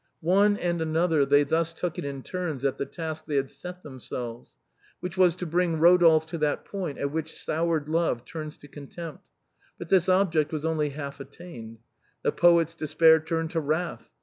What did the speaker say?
One and another they thus took it in turns at the task they had set themselves, which was to bring Rodolphe to that point at which soured love turns to contempt; but this object was only half attained. The poet's despair turned to wrath.